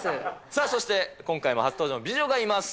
さあ、そして今回も初登場の美女がいます。